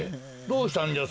どうしたんじゃ？